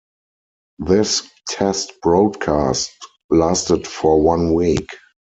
This test broadcast lasted for one week.